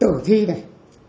trường thi này